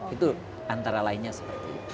itu antara lainnya seperti